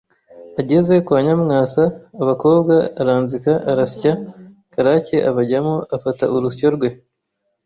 Ageze kwa Nyamwasa abakowa aranzika arasya Karake abajyamo afata urusyo rwe